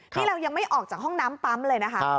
นี่เรายังไม่ออกจากห้องน้ำปั๊มเลยนะคะ